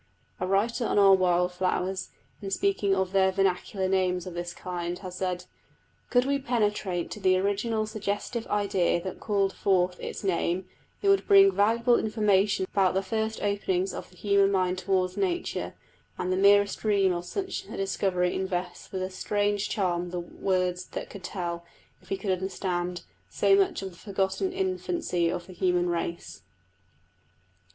A writer on our wild flowers, in speaking of their vernacular names of this kind, has said: "Could we penetrate to the original suggestive idea that called forth its name, it would bring valuable information about the first openings of the human mind towards nature; and the merest dream of such a discovery invests with a strange charm the words that could tell, if we could understand, so much of the forgotten infancy of the human race."